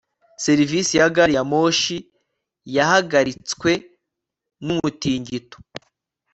serivisi ya gari ya moshi yahagaritswe n'umutingito